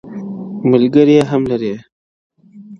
ملګرې هم لرې